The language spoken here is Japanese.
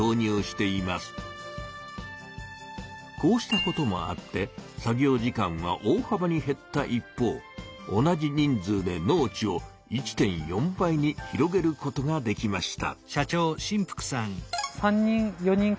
こうしたこともあって作業時間は大はばにへった一方同じ人数で農地を１．４倍に広げることができました。